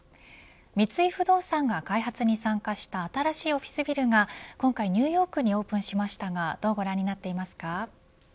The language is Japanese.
三井不動産が開発に参加した新しいオフィスビルが今回ニューヨークにオープンしましたが、どうご覧になっていますか。